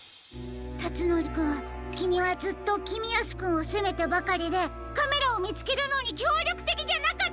たつのりくんきみはずっときみやすくんをせめてばかりでカメラをみつけるのにきょうりょくてきじゃなかったよね。